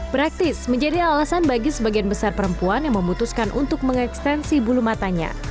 praktis menjadi alasan bagi sebagian besar perempuan yang memutuskan untuk mengekstensi bulu matanya